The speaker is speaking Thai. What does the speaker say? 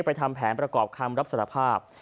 ทำแผนประกอบคำรับสารภาพ